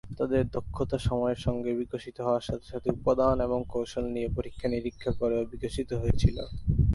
তাদের দক্ষতা সময়ের সঙ্গে বিকশিত হওয়ার সাথে সাথে উপাদান এবং কৌশল নিয়ে পরীক্ষা নিরীক্ষা করেও বিকশিত হয়েছিল।